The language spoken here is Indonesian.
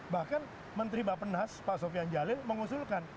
bahkan menteri bapak nas pak sofian jalil mengusulkan